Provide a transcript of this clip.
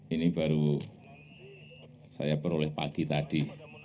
ini baru saya peroleh pagi tadi